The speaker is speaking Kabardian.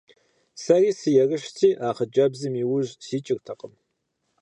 Сэри сыерыщти, а хъыджэбзым и ужь сикӀыртэкъым.